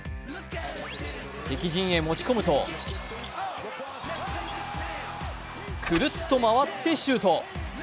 敵陣へ持ち込むとくるっと回ってシュート。